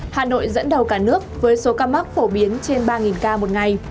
hà nội dẫn đầu cả nước với số ca mắc phổ biến trên ba ca một ngày